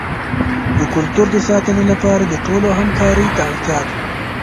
د کلتور د ساتنې لپاره د ټولو همکارۍ ته اړتیا ده.